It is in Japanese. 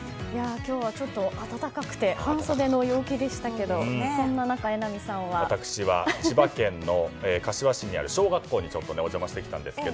今日はちょっと暖かくて半袖の陽気でしたけど私は千葉県の柏市にある小学校にお邪魔してきたんですが。